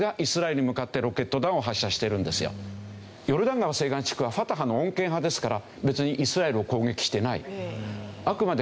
あれガザ地区のヨルダン川西岸地区はファタハの穏健派ですから別にイスラエルを攻撃してない。